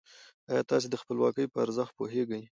ايا تاسې د خپلواکۍ په ارزښت پوهېږئ؟